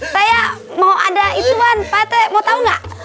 saya mau ada ituan pak rt mau tau gak